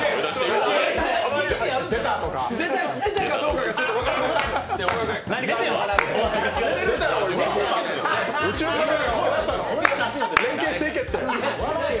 出たかどうかがちょっと分からんかった。